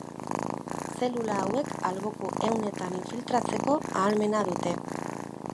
Zelula hauek alboko ehunetan infiltratzeko ahalmena dute.